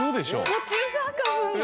途中参加するの？